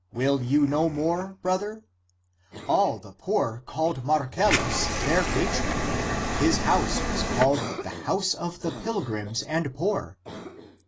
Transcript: Will you know more, brother ? All the poor called Marcellus their patron; his house was called the house of the pilgrims and poor.